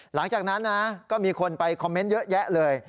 หลังจากนั้นนะก็มีคนไปคอมเมนต์เยอะแยะเลย